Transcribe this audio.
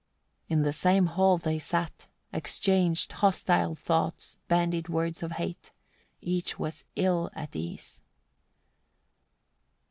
86. In the same hall they sat, exchanged hostile thoughts, bandied words of hate: each was ill at ease.